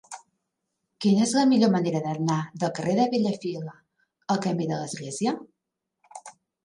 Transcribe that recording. Quina és la millor manera d'anar del carrer de Bellafila al camí de l'Església?